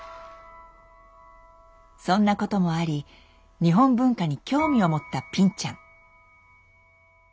そんなこともあり日本文化に興味を持ったぴんちゃん。